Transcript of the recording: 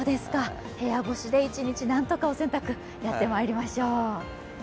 部屋干しで一日、なんとか、お洗濯やってまいりましょう。